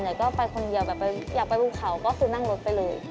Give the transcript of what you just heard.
อยากไปถูกเดียวอยากไปทุกข่าวก็นั่งรถไปเลย